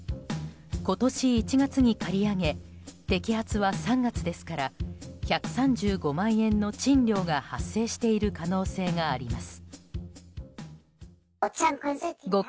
今年１月に借り上げ摘発は３月ですから１３５万円の賃料が発生している可能性があります。